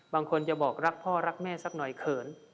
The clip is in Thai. บางคนจะบอกรักพ่อรักแม่สักหน่อยเขิน